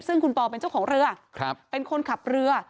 ซึ่งคุณปอเป็นเจ้าของเรือเป็นคนขับเรือ